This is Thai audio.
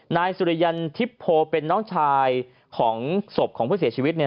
นายสุริยันทิพโพเป็นน้องชายของศพของผู้เสียชีวิต